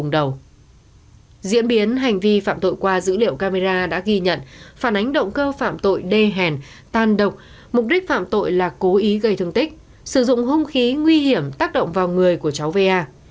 diễn biến hành vi phạm tội qua dữ liệu camera đã ghi nhận phản ánh động cơ phạm tội đê hèn tan độc mục đích phạm tội là cố ý gây thương tích sử dụng hung khí nguy hiểm tác động vào người của cháu va